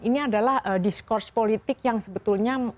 ini adalah diskurs politik yang sebetulnya